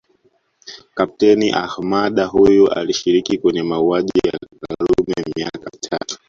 Kapteni Ahmada huyu alishiriki kwenye mauaji ya Karume miaka mitatu